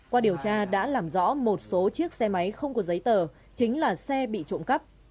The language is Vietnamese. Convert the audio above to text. qua điều tra đã làm rõ một số chiếc xe máy không có giấy tờ chính là xe bị trộm cắp